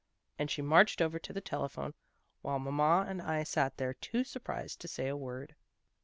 And she marched over to the telephone, while mamma and I sat there too surprised to say a word."